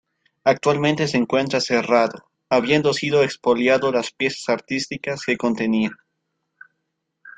Actualmente se encuentra cerrado, habiendo sido expoliado las piezas artísticas que contenía.